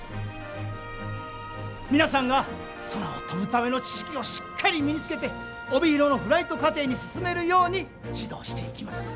皆さんが空を飛ぶための知識をしっかり身につけて帯広のフライト課程に進めるように指導していきます。